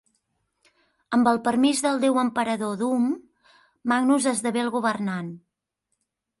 Amb el permís del déu emperador Doom, Magnus esdevé el governant.